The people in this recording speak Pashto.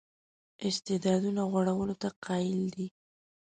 استعدادونو غوړولو ته قایل دی.